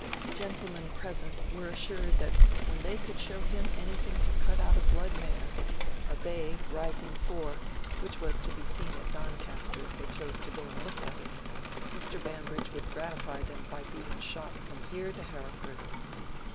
Gentlemen present were assured that when they could show him anything to cut out a blood mare, a bay, rising four, which was to be seen at Doncaster if they chose to go and look at it, Mr. Bambridge would gratify them by being shot "from here to Hereford."